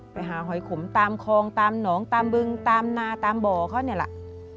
ไปหาหอยขมตามคลองตามหนองตามบึงตามนาตามบ่อเขาเนี่ยแหละ